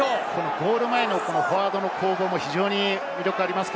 ゴール前のフォワードの攻防も非常に魅力があります。